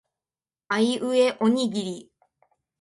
あいうえおおにぎり